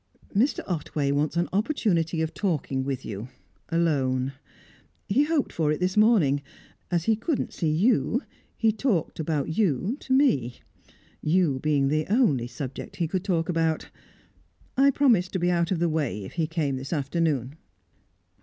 "Mr. Otway wants an opportunity of talking with you, alone. He hoped for it this morning. As he couldn't see you, he talked about you to me you being the only subject he could talk about. I promised to be out of the way if he came this afternoon."